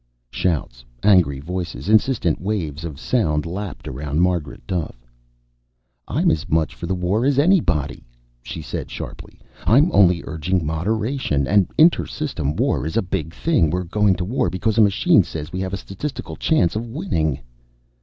Shouts, angry voices, insistent waves of sound lapped around Margaret Duffe. "I'm as much for the war as anybody," she said sharply. "I'm only urging moderation. An inter system war is a big thing. We're going to war because a machine says we have a statistical chance of winning."